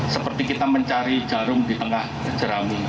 seperti kita mencari jarum di tengah jerami